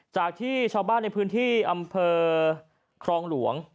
จากที่ชาวบ้านในพื้นที่อำเภอครองหลวง